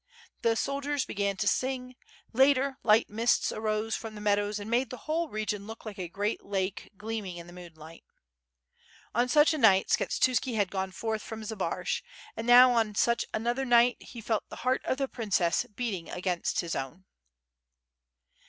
The soldiers began to sing; later, light mists arose from the meadows and made the whole region look like a great lake gleaming in the moonlight. On such a night Skshetuski had gone forth from Zbaraj, and now on such another night he felt the heart of the princess beating against his own.